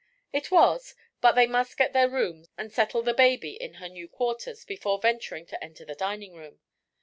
It was; but they must get their rooms and settle the baby in her new quarters before venturing to enter the dining room.